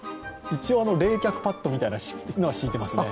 一応、冷却パットみたいのは敷いてますね。